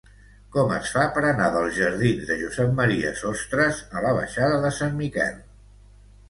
Com es fa per anar dels jardins de Josep M. Sostres a la baixada de Sant Miquel?